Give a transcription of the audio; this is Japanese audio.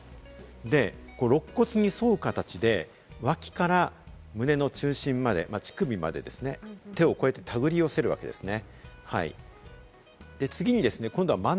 で、肋骨に沿う形で脇から胸の中心まで、乳首までですね、手をこうやってたぐり寄せるわけですね。